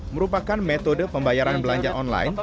merupakan metode pembayaran belanja online